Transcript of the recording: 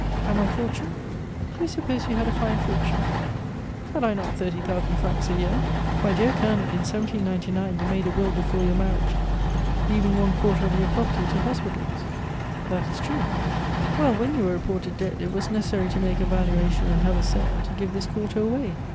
"And my fortune?" "Do you suppose you had a fine fortune?" "Had I not thirty thousand francs a year?" "My dear Colonel, in 1799 you made a will before your marriage, leaving one quarter of your property to hospitals." "That is true." "Well, when you were reported dead, it was necessary to make a valuation, and have a sale, to give this quarter away.